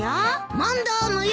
問答無用！